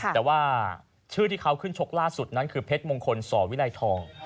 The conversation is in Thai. แต่ว่าชื่อที่เขาขึ้นชกล่าสุดนั้นคือเพชรมงคลสอวิลัยทอง